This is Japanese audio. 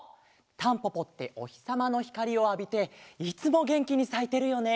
タンポポっておひさまのひかりをあびていつもげんきにさいてるよね。